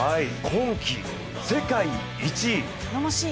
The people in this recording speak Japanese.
今季、世界１位。